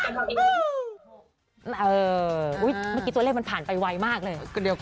เมื่อกี้ตัวเลขมันผ่านไปไวมากเลย